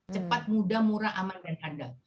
cepat mudah murah aman dan handal